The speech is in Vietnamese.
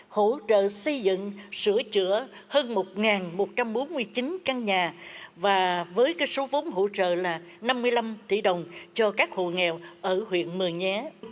hỗ trợ xây dựng sửa chữa hơn một một trăm bốn mươi chín căn nhà và với số vốn hỗ trợ là năm mươi năm tỷ đồng cho các hộ nghèo ở huyện mường nhé